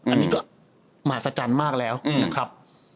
อันนี้ก็มหัศจรรย์มากแล้วนะครับ